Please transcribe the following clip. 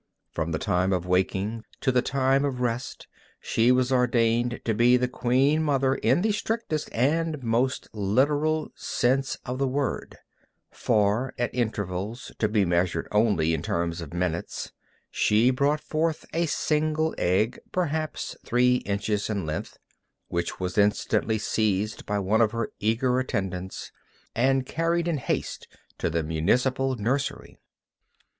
From the time of waking to the time of rest, she was ordained to be the queen mother in the strictest and most literal sense of the word, for at intervals to be measured only in terms of minutes she brought forth a single egg, perhaps three inches in length, which was instantly seized by one of her eager attendants and carried in haste to the municipal nursery.